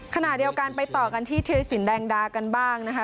ขณะเดียวกันไปต่อกันที่ธีรสินแดงดากันบ้างนะคะ